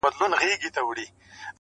په هغه ورځ یې مرګی ورسره مل وي-